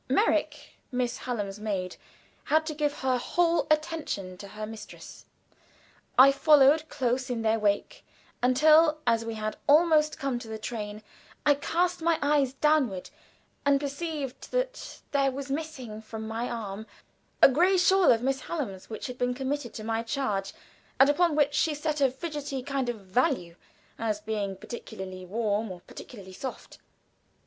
Merrick, Miss Hallam's maid, had to give her whole attention to her mistress. I followed close in their wake, until, as we had almost come to the train, I cast my eyes downward and perceived that there was missing from my arm a gray shawl of Miss Hallam's, which had been committed to my charge, and upon which she set a fidgety kind of value, as being particularly warm or particularly soft.